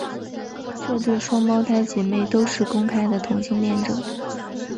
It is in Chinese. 这对双胞胎姐妹都是公开的同性恋者。